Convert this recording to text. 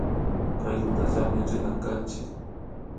Kaykutallami rina kanchik